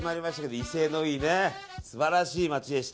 威勢のいい、素晴らしい街でした。